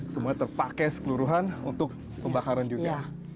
semuanya terpakai sekeluruhan untuk pembakaran juga